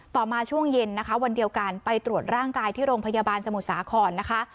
มาช่วงเย็นนะคะวันเดียวกันไปตรวจร่างกายที่โรงพยาบาลสมุทรสาครนะคะ